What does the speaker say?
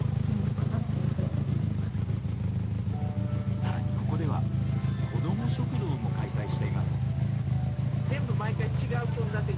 更にここでは子ども食堂も開催しています。